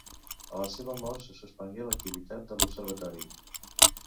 A la seva mort se suspengué l'activitat de l'Observatori.